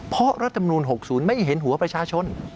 เพราะรัฐมนูล๖๐ไม่เห็นหัวประชาชน